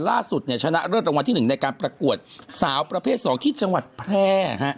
ล่าสุดเนี่ยชนะเลิศรางวัลที่๑ในการประกวดสาวประเภท๒ที่จังหวัดแพร่